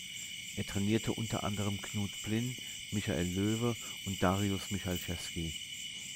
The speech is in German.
Er trainierte unter anderem Knut Blin, Michael Löwe und Dariusz Michalczewski.